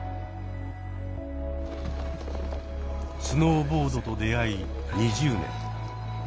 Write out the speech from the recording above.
スノーボードと出会い２０年。